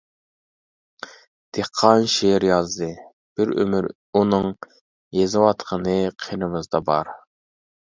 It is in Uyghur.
دېھقان شېئىر يازدى بىر ئۆمۈر ئۇنىڭ يېزىۋاتقىنى قېنىمىزدا بار.